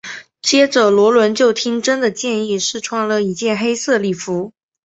接着萝伦就听珍的建议试穿了一件黑色礼服。